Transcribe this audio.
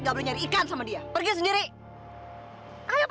kamu kenapa nak